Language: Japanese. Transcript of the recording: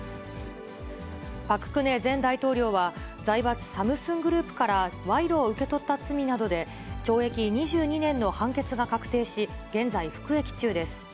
パク・クネ前大統領は、財閥、サムスングループから賄賂を受け取った罪などで懲役２２年の判決が確定し、現在、服役中です。